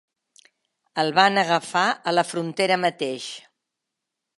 El van agafar a la frontera mateix.